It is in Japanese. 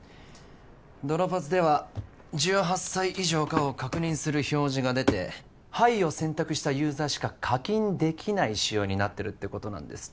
ドロパズでは１８歳以上かを確認する表示が出て「はい」を選択したユーザーしか課金できない仕様になってるってことなんです